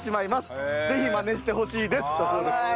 ぜひマネしてほしいですだそうです。